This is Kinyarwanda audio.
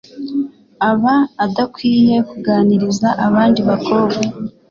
aba adakwiye kuganiriza abandi bakobwa